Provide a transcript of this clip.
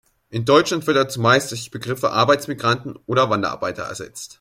In Deutschland wird er zumeist durch die Begriffe Arbeitsmigranten oder Wanderarbeiter ersetzt.